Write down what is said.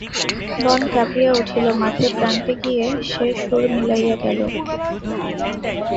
বন কাঁপিয়া উঠিল, মাঠের প্রান্তে গিয়া সে সুর মিলাইয়া গেল।